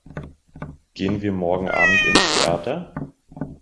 Gehen wir morgen Abend ins Theater?